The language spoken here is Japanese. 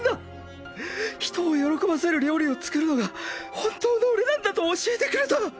人を喜ばせる料理を作るのが本当の俺なんだと教えてくれた！！